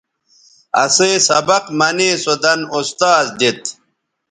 اسئ سبق منے سو دَن اُستاذ دیت